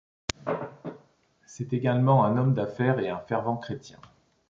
C'est également un homme d'affaires et un fervent chrétien.